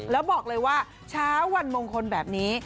แล้วบอกเลยว่าเช้าวันมงคลแบบนี้